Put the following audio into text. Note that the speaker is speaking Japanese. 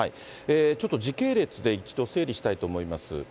ちょっと時系列で、一度整理したいと思います。